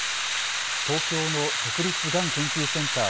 東京の国立がん研究センター